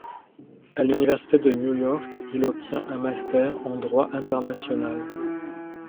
À l'université de New York, il obtient un master en droit international.